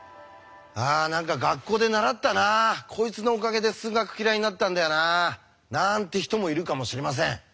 こいつのおかげで数学嫌いになったんだよな」なんて人もいるかもしれません。